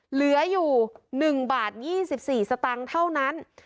เหลืออยู่หนึ่งบาทโง่๑๐สองบาทเท่านั้น